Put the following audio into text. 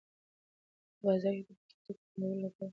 په بازار کې د پښو ټینګولو لپاره د فولادي عزم درلودل اړین دي.